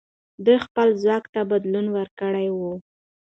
دوی خپل ځواک ته بدلون ورکړی وو.